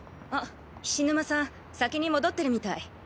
あ菱沼さん先に戻ってるみたい。